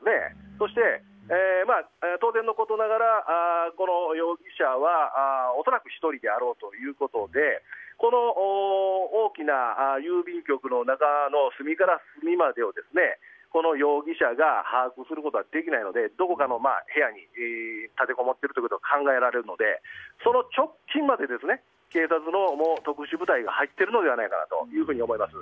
そして、当然のことながらこの容疑者は恐らく１人であろうということでこの大きな郵便局の中の隅から隅までをこの容疑者が把握することはできないのでどこかの部屋に立てこもっていることが考えられるのでその直近まで警察の特殊部隊が入っているのではないかなと思います。